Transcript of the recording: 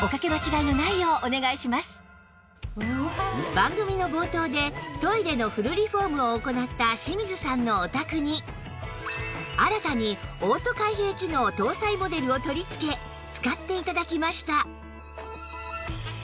番組の冒頭でトイレのフルリフォームを行った清水さんのお宅に新たにオート開閉機能搭載モデルを取り付け使って頂きました